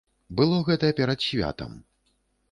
Было гэта перад святам.